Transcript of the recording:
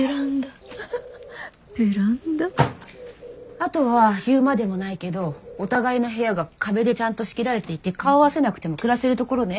あとは言うまでもないけどお互いの部屋が壁でちゃんと仕切られていて顔合わせなくても暮らせるところね。